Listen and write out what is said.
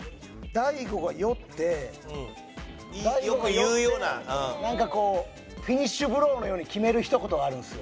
大悟が酔ってなんかこうフィニッシュブローのように決める一言があるんですよ。